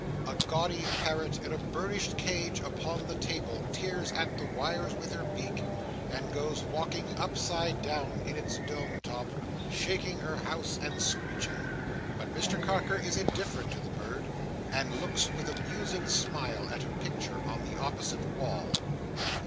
A gaudy parrot in a burnished cage upon the table tears at the wires with her beak, and goes walking, upside down, in its dome top, shaking her house and screeching; but Mr Carker is indifferent to the bird, and looks with a musing smile at a picture on the opposite wall.